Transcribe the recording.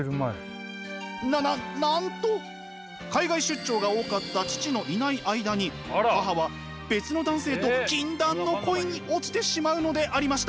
なななんと海外出張が多かった父のいない間に母は別の男性と禁断の恋に落ちてしまうのでありました。